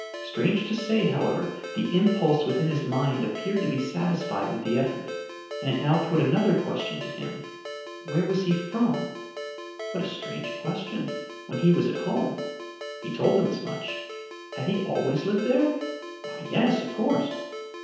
Strange to say, however, the impulse within his mind appeared to be satisfied with the effort, and it now put another question to him. Where was he from? What a strange question when he was at home. He told them as much. Had he always lived there? Why, yes, of course.